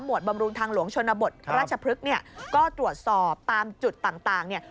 หมวดบำรุนทางหลวงชนบทรรจพฤษเนี่ยก็ตรวจสอบตามจุดต่างเนี่ย